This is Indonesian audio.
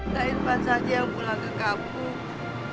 nairman saja yang pulang ke kampung